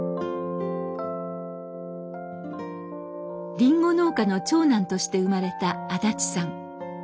リンゴ農家の長男として生まれた安達さん。